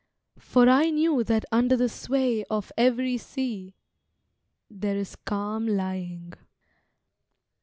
For I knew that under the sway of every sea There is calm lying.